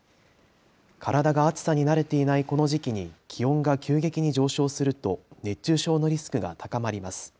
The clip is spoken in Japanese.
体が暑さに慣れていないこの時期に気温が急激に上昇すると熱中症のリスクが高まります。